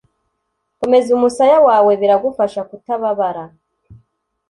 Komeza umusaya wawe biragufasha kutababara